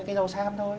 cây rau xam thôi